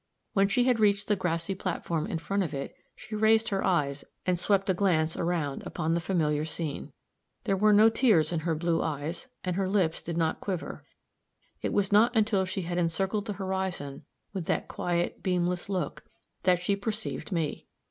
When she had reached the grassy platform in front of it, she raised her eyes and swept a glance around upon the familiar scene. There were no tears in her blue eyes, and her lips did not quiver. It was not until she had encircled the horizon with that quiet, beamless look, that she perceived me.